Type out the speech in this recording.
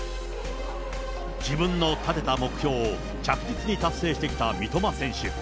自分の立てた目標を着実に達成してきた三笘選手。